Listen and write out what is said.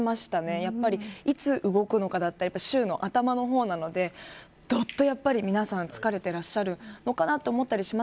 やっぱり、いつ動くのかとか週の頭の方なのでどっと皆さん疲れていらしゃるのかなと思ったりします。